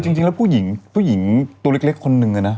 จริงแล้วผู้หญิงผู้หญิงตัวเล็กคนหนึ่งนะ